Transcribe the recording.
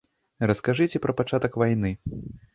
Раскажыце пра пачатак вайны.